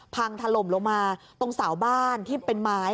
พังถล่มลงมาตรงเสาบ้านที่เป็นไม้